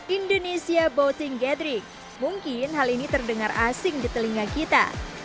indonesia boting gathering mungkin hal ini terdengar asing di telinga kita